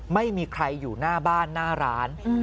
ไม่มีใครอยู่หน้าบ้านหน้าร้าน